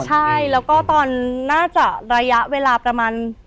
ใช่แล้วก็ตอนน่าจะระยะเวลาประมาณ